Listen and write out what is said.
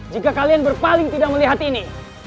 jika kalian berpaling tidak melihat ini